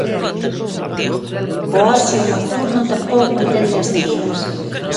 O ocio nocturno tampouco entende as medidas.